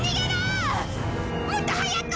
もっと速く！